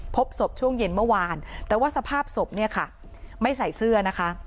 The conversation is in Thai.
พบศพช่วงเย็นเมื่อวานแต่ว่าสภาพศพเนี่ยค่ะไม่ใส่เสื้อนะคะ